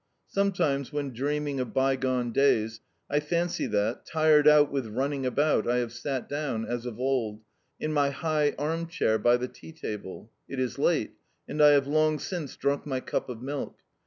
Sometimes, when dreaming of bygone days, I fancy that, tired out with running about, I have sat down, as of old, in my high arm chair by the tea table. It is late, and I have long since drunk my cup of milk.